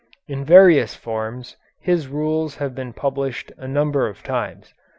In various forms his rules have been published a number of times.